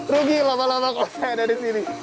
rugi lama lama kok saya ada disini